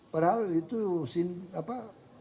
padahal itu apa